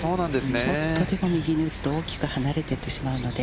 ちょっとでも右に打つと大きく離れていってしまうので。